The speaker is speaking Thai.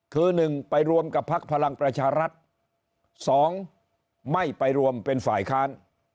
คือ๑ไปรวมกับพักพลังประชารัฐ๒ไม่ไปรวมเป็นฝ่ายค้าน